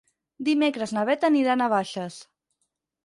Dimecres na Bet anirà a Navaixes.